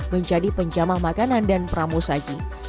menjadi penjamah makanan dan pramu saji